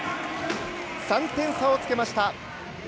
３点差をつけました。